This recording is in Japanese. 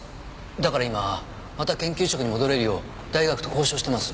だから今また研究職に戻れるよう大学と交渉してます。